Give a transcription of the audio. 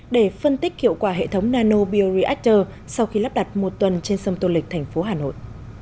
để phân tích hiệu quả hệ thống nanobioreactor sau khi lắp đặt một tuần trên sông tô lịch thành phố hà nội